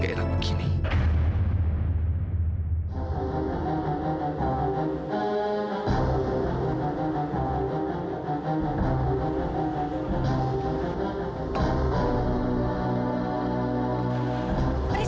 saya nya juga ternyata lain